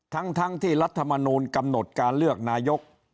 ทั้งที่รัฐมนูลกำหนดการเลือกนายก